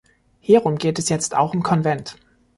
Hierum geht es jetzt auch im Konvent.